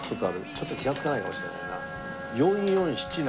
ちょっと気がつかないかもしれないな。